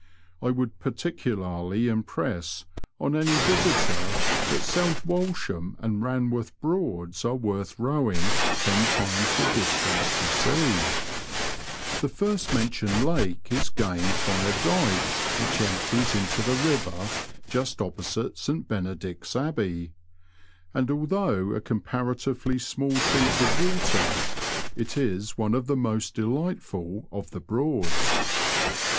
I would particularly impress on any visitor that South Walsham and Banworth Broads are worth rowing ten times the distance to see. The first mentioned lake is gained by a dyke which empties into the river just opposite St Benedict's Abbey, and although a Digitized by VjOOQIC WBOXHAM TO BABTON AND AGLE. 127 comparatively small sheet of water, it is one ot the most delightful of the Broads.